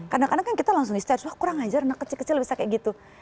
kadang kadang kan kita langsung research wah kurang aja anak kecil kecil bisa kayak gitu